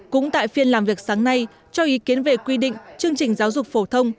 cũng tại phiên làm việc sáng nay cho ý kiến về quy định chương trình giáo dục phổ thông